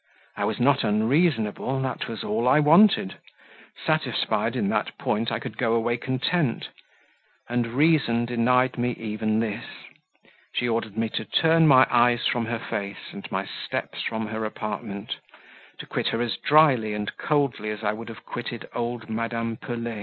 I was not unreasonable that was all I wanted; satisfied in that point, I could go away content; and Reason denied me even this; she ordered me to turn my eyes from her face, and my steps from her apartment to quit her as dryly and coldly as I would have quitted old Madame Pelet.